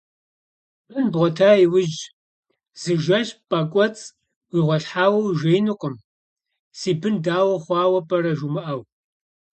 Бын бгъуэта иужь, зы жэщ пӏэкӏуэцӏ уигъуалъхьэу ужеинукъым, си бын дау хъуауэ пӏэрэ жумыӏэу.